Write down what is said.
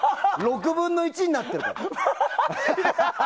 ６分の１になってる。